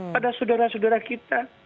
pada saudara saudara kita